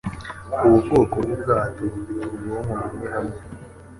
Ubu bwoko bwubwato bufite ubwonko bumwe hamwe